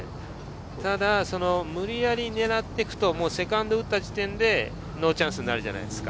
ただ無理やり狙っていくと、セカンドを打った時点でノーチャンスになるじゃないですか。